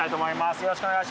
よろしくお願いします。